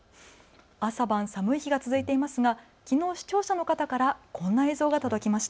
朝晩寒い日が続いていますがきのう視聴者の方からこんな映像が届きました。